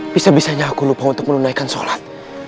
bisa bisanya aku lupa untuk menunaikan sholat